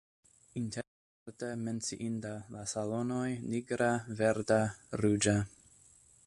Interne aparte menciindaj la salonoj nigra, verda, ruĝa.